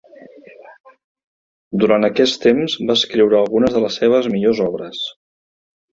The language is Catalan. Durant aquest temps va escriure algunes de les seves millors obres.